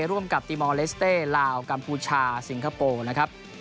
ร่วมกับตีมอลเลสเต้ลาวกัมพูชาสิงคโปร์นะครับ